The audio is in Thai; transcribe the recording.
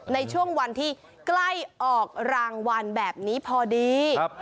ในช่วงวันที่ใกล้ออกรางวัลแบบนี้พอดี